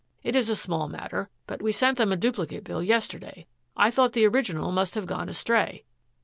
It is a small matter, but we sent them a duplicate bill yesterday. I thought the original must have gone astray."